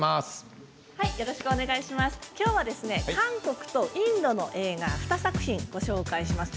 今日は韓国とインドの映画２作品ご紹介します。